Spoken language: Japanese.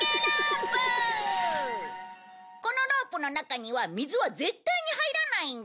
このロープの中には水は絶対に入らないんだ。